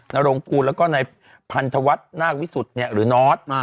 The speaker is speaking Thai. นโรงกูลแล้วก็นายพันธวัฒน์นาควิสุทธิ์หรือนอท